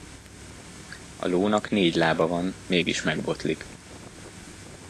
A lónak négy lába van, mégis megbotlik.